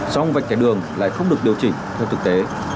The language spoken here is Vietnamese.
xong vạch chảy đường lại không được điều chỉnh theo thực tế